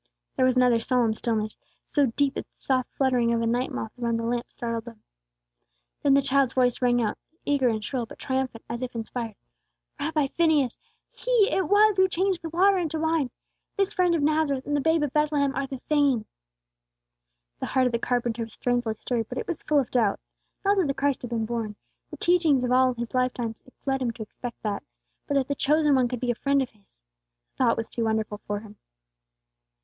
There was another solemn stillness, so deep that the soft fluttering of a night moth around the lamp startled them. Then the child's voice rang out, eager and shrill, but triumphant as if inspired: "Rabbi Phineas, He it was who changed the water into wine! This friend of Nazareth and the babe of Bethlehem are the same!" The heart of the carpenter was strangely stirred, but it was full of doubt. Not that the Christ had been born, the teachings of all his lifetime led him to expect that; but that the chosen One could be a friend of his, the thought was too wonderful for him.